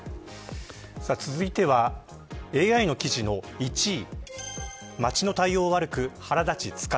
続いてはＡＩの記事の１位。